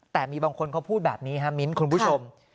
แต่มีบางคนเขาพูดแบบนี้ครับมิ้นคุณผู้ชม